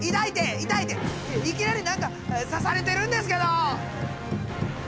いきなり何か刺されてるんですけど。